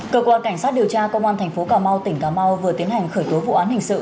cơ quan cảnh sát điều tra công an tp cà mau tỉnh cà mau vừa tiến hành khởi tối vụ án hình sự